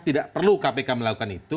jadi tidak perlu kpk melakukan itu